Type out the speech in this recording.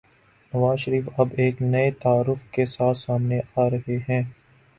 نوازشریف اب ایک نئے تعارف کے ساتھ سامنے آرہے ہیں۔